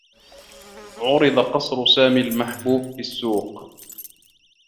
عُرض قصر سامي المحبوب في السّوق.